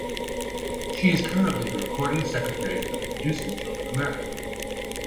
She is currently the recording secretary for the Producers Guild of America.